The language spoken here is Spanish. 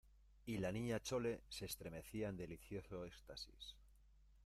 y la Niña Chole se estremecía en delicioso éxtasis